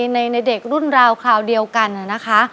ในเด็กรุ่นราวคราวเดียวกันนะคะ